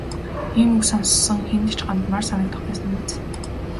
Ийм үг сонссон хэнд ч гомдмоор санагдах байсан биз.